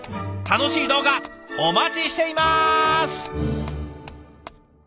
楽しい動画お待ちしています。